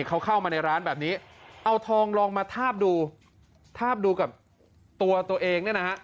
เข้ามาในร้านแบบนี้เอาทองลองมาทาบดูทาบดูตัวตัวเอง